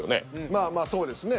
まあまあそうですね